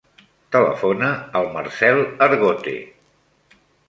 Telefona al Marcèl Argote.